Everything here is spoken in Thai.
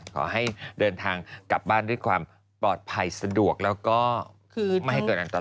ขอให้เดินทางกลับบ้านด้วยความปลอดภัยสะดวกแล้วก็ไม่ให้เกิดอันตราย